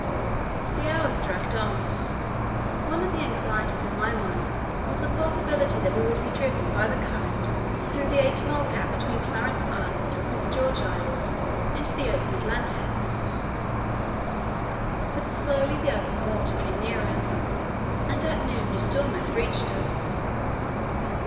The hours dragged on. One of the anxieties in my mind was the possibility that we would be driven by the current through the eighty mile gap between Clarence Island and Prince George Island into the open Atlantic; but slowly the open water came nearer, and at noon it had almost reached us.